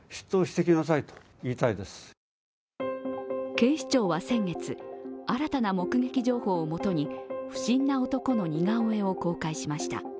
警視庁は先月、新たな目撃情報をもとに不審な男の似顔絵を公開しました。